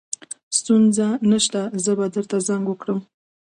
ستونزه نشته زه به درته زنګ وکړم